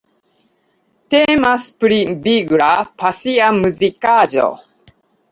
Temas pri vigla, pasia muzikaĵo.